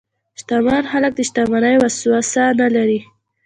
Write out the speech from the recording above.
شتمن خلک د شتمنۍ وسوسه نه لري.